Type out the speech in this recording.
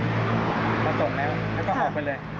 มาตกแล้วแล้วก็ออกไปเลย